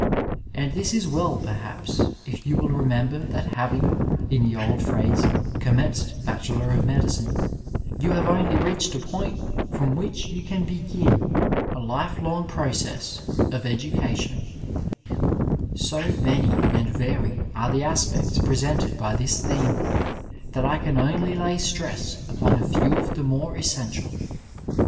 And this is well, perhaps, if you will remember that having, in the old phrase, commenced Bachelor of Medicine, you have only reached a point from which you can begin a life long process of education:' So many and varied are the aspects presented by this theme that I can only lay stress upon a few of the more es sential.